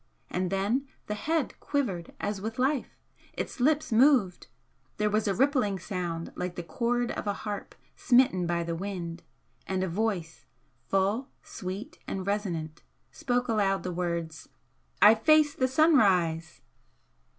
And then the Head quivered as with life, its lips moved there was a rippling sound like the chord of a harp smitten by the wind, and a voice, full, sweet and resonant, spoke aloud the words: "I face the Sunrise!"